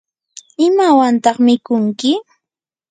¿imawantaq mikunki?